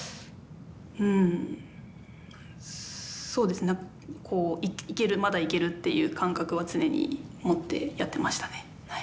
うんそうですねいけるまだいけるっていう感覚は常に持ってやってましたね。